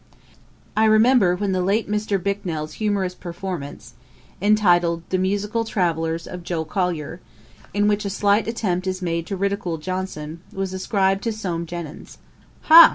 I remember when the late Mr. Bicknell's humourous performance, entitled The Musical Travels of Joel Collyer, in which a slight attempt is made to ridicule Johnson, was ascribed to Soame Jenyns, 'Ha!